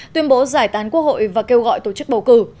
tuyên bố giải tán quốc hội và kêu gọi tổ chức bầu cử